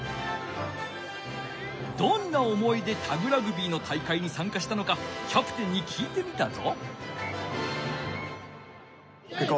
どんな思いでタグラグビーの大会に参加したのかキャプテンに聞いてみたぞ。